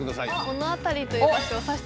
この辺りという場所をあっ！